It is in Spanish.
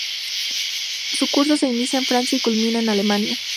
Su curso se inicia en Francia y culmina en Alemania.